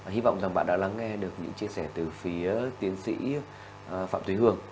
hy vọng rằng bạn đã lắng nghe được những chia sẻ từ phía tiến sĩ phạm thúy hường